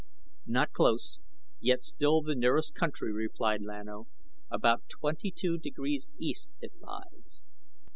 "Not close, yet still the nearest country," replied Lan O. "About twenty two degrees* east, it lies."